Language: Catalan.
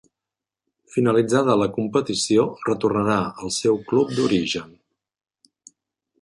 Finalitzada la competició retornà al seu club d'origen.